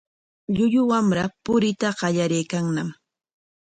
Llullu wamra puriyta qallariykanñam.